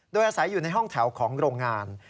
โดยอาศัยอยู่ในห้องแถวของโรงงาน